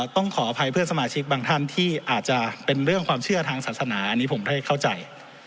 ขออภัยเพื่อนสมาชิกบางท่านที่อาจจะเป็นเรื่องความเชื่อทางศาสนาอันนี้ผมได้เข้าใจ